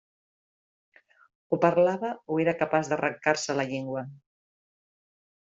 O parlava o era capaç d'arrancar-se la llengua.